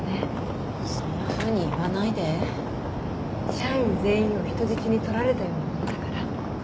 社員全員を人質に取られたようなものだから。